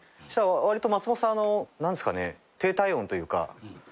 そしたらわりと松本さん何すかね低体温というか。